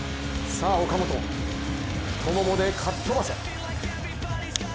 さあ岡本、太ももでかっ飛ばせ。